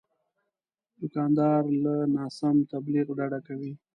دوکاندار له ناسم تبلیغ ډډه کوي.